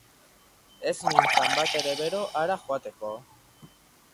Ez nintzen batere bero hara joateko.